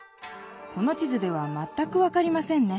この地図ではまったく分かりませんね。